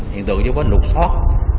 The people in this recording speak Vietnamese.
hiện tượng như có lục xót